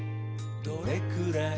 「どれくらい？